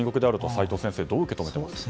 齋藤先生どう受け止めますか？